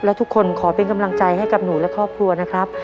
และทุกคนขอเป็นกำลังใจให้กับหนูและครอบครัวนะครับ